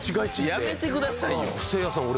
やめてくださいよ。